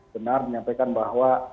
benar menyampaikan bahwa